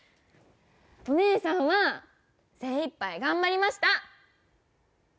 お姉さんは精いっぱい頑張りました！